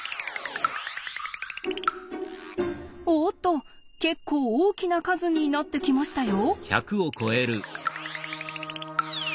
おっと結構大きな数になってきましたよ。